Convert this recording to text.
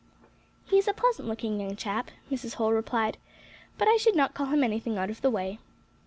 "He is a pleasant looking young chap," Mrs. Holl replied, "but I should not call him anything out of the way.